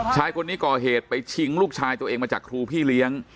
ชายคนนี้ก่อเหตุไปชิงลูกชายตัวเองมาจากครูพี่เลี้ยง